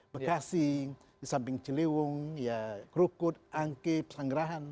bekasi di samping ciliwung ya krukut angke pesanggerahan